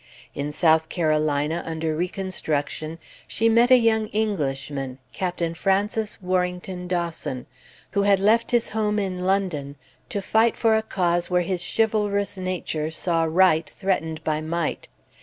In South Carolina, under Reconstruction, she met a young Englishman, Captain Francis Warrington Dawson, who had left his home in London to fight for a cause where his chivalrous nature saw right threatened by might.